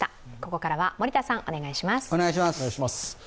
ここからは森田さん、お願いします